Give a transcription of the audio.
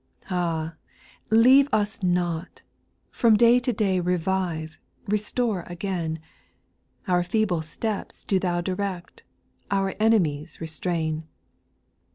7. Ah I leave us not I From day to day Revive, restore again ; Our feeble steps do Thou direct, Our enemies restrain.